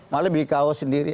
malah beli kaos sendiri